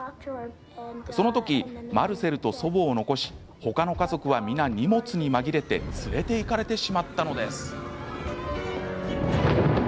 その時、マルセルと祖母を残し他の家族は、皆、荷物に紛れて連れて行かれてしまったのです。